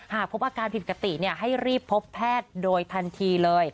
หากพบอาการผิดปกติให้รีบพบแพทย์โดยทันทีเลย